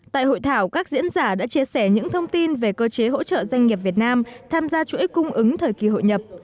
tại hội thảo các diễn giả đã chia sẻ những thông tin về cơ chế hỗ trợ doanh nghiệp việt nam tham gia chuỗi cung ứng thời kỳ hội nhập